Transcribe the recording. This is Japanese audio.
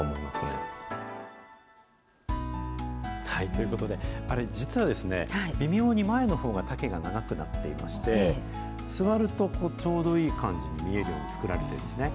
ということで、実は、微妙に前のほうが丈が長くなっていまして、座ると、ちょうどいい感じに見えるくらいに作られてるんですね。